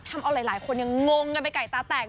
ทำเอาหลายคนยังงงกันไปไก่ตาแตก